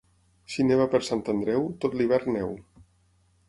Si neva per Sant Andreu, tot l'hivern neu.